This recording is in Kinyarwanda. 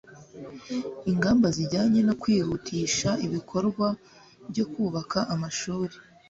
ingamba zijyanye no kwihutisha ibikorwa byo kubaka amashuri